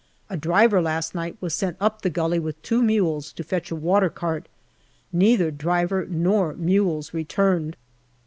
A driver last night was sent up the gully with two mules to fetch a watercart. Neither driver nor mules returned.